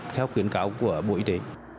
theo khuyến cáo của bộ y tế